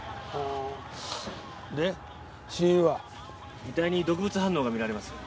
遺体に毒物反応が見られます。